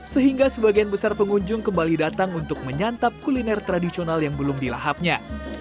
sehingga sebagian besar pengunjung kembali datang untuk menyantap kuliner tradisional yang belum dilahapnya